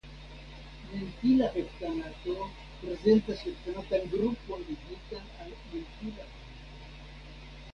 Mentila heptanato prezentas heptanatan grupon ligitan al mentila grupo.